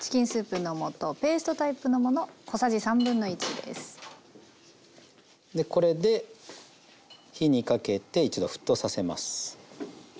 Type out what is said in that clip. でこれで火にかけて一度沸騰させます。